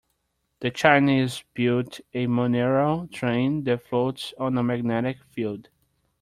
The Chinese built a monorail train that floats on a magnetic field.